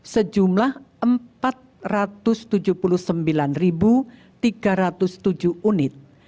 sejumlah empat ratus tujuh puluh sembilan tiga ratus tujuh unit